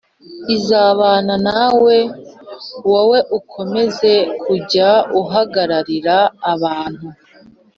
izabana nawe j Wowe ukomeze kujya uhagararira abantu